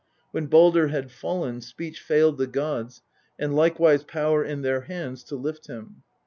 When Baldr had fallen, speech failed the gods and likewise power in their hands to lift him.